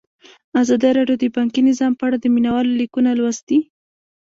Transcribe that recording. ازادي راډیو د بانکي نظام په اړه د مینه والو لیکونه لوستي.